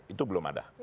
itu belum ada